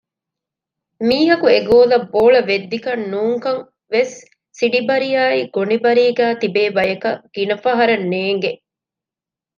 މީހަކު އެ ގޯލަށް ބޯޅަ ވެއްދިކަން ނޫންކަން ވެސް ސިޑިބަރިއާއި ގޮނޑިބަރީގައި ތިބޭ ބަޔަކަށް ގިނަފަހަރަށް ނޭނގޭނެ